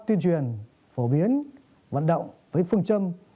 tuyên truyền phổ biến vận động với phương châm